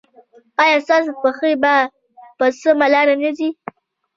ایا ستاسو پښې په سمه لار نه ځي؟